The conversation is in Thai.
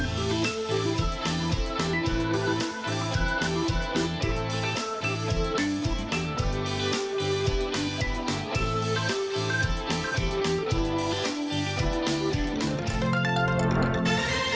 สวัสดีครับ